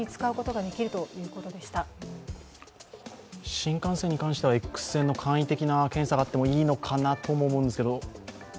新幹線に関してはＸ線の簡易的な検査があってもいいのかなとも思うんですけど。